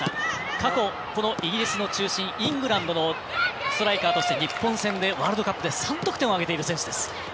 過去、イギリスの中心イングランドのストライカーとして日本戦でワールドカップで３得点挙げている選手です。